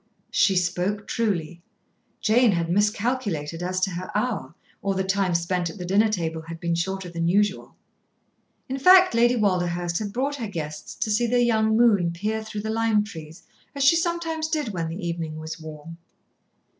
She spoke truly. Jane had miscalculated as to her hour, or the time spent at the dinner table had been shorter than usual. In fact, Lady Walderhurst had brought her guests to see the young moon peer through the lime trees, as she sometimes did when the evening was warm.